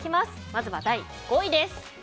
まずは第５位です。